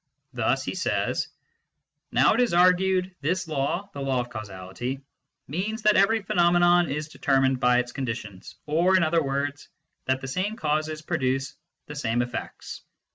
Thus he says :" Now, it is argued, this law [the law of causality] means that every phenomenon is determined by its conditions, or, in other words, that the same causes produce the same effects.